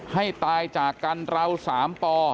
ให้ตายจากกันเรา๓ปอ